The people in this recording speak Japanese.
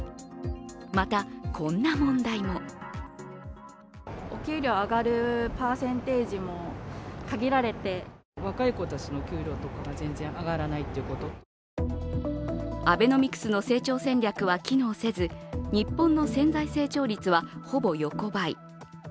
また、こんな問題もアベノミクスの成長戦略は機能せず、日本の潜在成長率は、ほぼ横ばい。